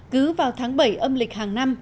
cứ vào tháng bảy âm lịch hàng năm